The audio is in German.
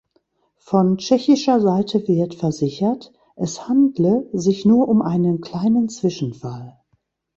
Von tschechischer Seite wird versichert, es handle sich nur um einen kleinen Zwischenfall.